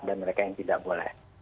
dan mereka yang tidak boleh